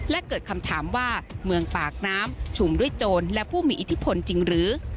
และเกิดคำถามว่าเมืองปากน้ำชุมด้วยโจรและผู้มีอิทธิพลจริงหรือ